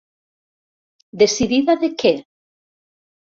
Decidida de què?